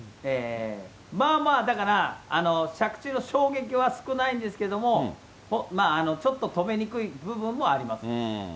まあまあだから、着地の衝撃は少ないんですけど、ちょっと止めにくい部分もあります。